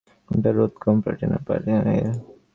কোনটার রোধ কম, প্লাটিনাম না প্যালাডিয়াম এর?